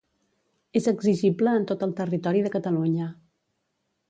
És exigible en tot el territori de Catalunya.